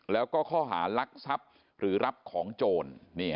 แล้วก็ข้อหารักทรัพย์หรือรับของโจร